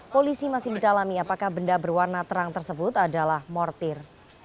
polisi masih mendalami apakah benda berwarna terang tersebut adalah mortir